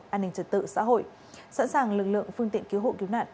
an ninh trật tự xã hội sẵn sàng lực lượng phương tiện cứu hộ cứu nạn